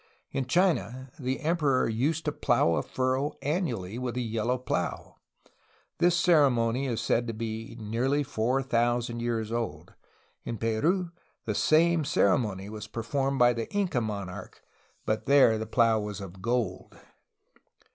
In China the emperor used to plough a furrow annually with a yellow plough. This ceremony is said to be nearly four thousand years old. In Peru the same ceremony was performed by the Inca monarch, but there the plough was of gold.